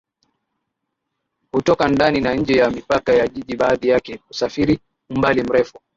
hutoka ndani na nje ya mipaka ya jiji baadhi yake husafiri umbali mrefu